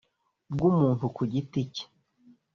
Bw umuntu ku giti cye